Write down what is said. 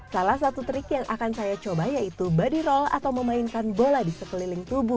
salah satu trik yang akan saya coba yaitu body roll atau memainkan bola di sekeliling tubuh